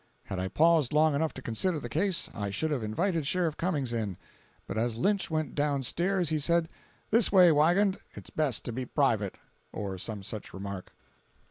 Had I paused long enough to consider the case, I should have invited Sheriff Cummings in, but as Lynch went down stairs, he said: "This way, Wiegand—it's best to be private," or some such remark.